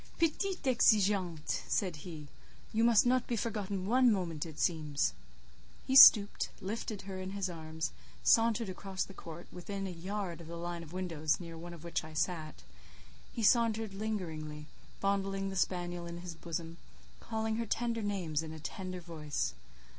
"Petite exigeante," said he; "you must not be forgotten one moment, it seems." He stopped, lifted her in his arms, sauntered across the court, within a yard of the line of windows near one of which I sat: he sauntered lingeringly, fondling the spaniel in his bosom, calling her tender names in a tender voice.